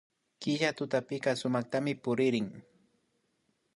Killa tutapika sumaktami puririn